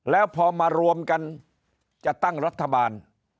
แล้วพอมารวมกันจะตั้งรัฐบาล